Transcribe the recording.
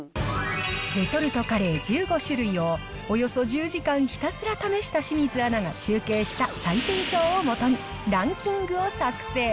レトルトカレー１５種類をおよそ１０時間ひたすら試した清水アナが集計した採点表をもとに、ランキングを作成。